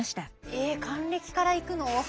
え還暦から行くの？